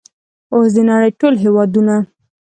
اوس د نړۍ ټول هیوادونه